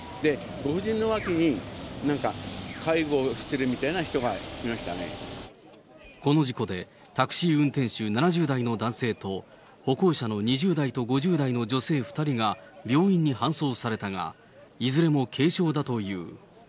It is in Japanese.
ご婦人の脇に、なんか、介助してこの事故でタクシー運転手７０代の男性と、歩行者の２０代と５０代の女性２人が病院に搬送されたが、いずれも軽傷だという。